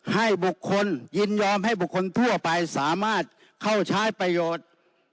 ให้บุคคลยินยอมให้บุคคลทั่วไปสามารถเข้าใช้ประโยชน์